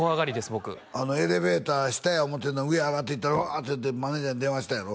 僕エレベーター下や思うてんの上上がっていったらうわ！っていってマネージャーに電話したんやろ？